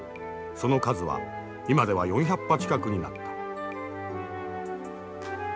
その数は今では４００羽近くになった。